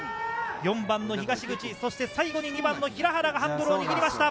４番の東口、そして最後に２番の平原がハンドルを握りました。